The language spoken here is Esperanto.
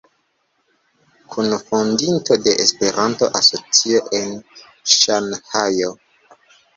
Kunfondinto de Esperanto Asocio en Ŝanhajo.